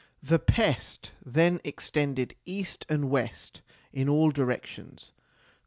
The pest then extended east and west in all directions.